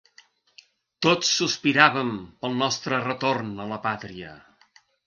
Tots sospiràvem pel nostre retorn a la pàtria.